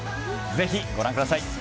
ぜひご覧ください。